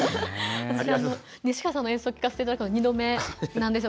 西川さんの演奏を聞かせていただくの二度目なんですよ。